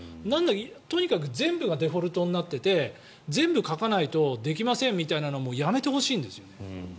とにかく全部がデフォルトになっていて全部書かないとできませんみたいなのはやめてほしいんですね。